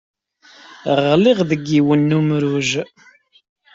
Ɣliɣ deg yiwen n umruj.